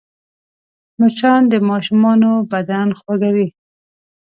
مچان د ماشومانو بدن خوږوي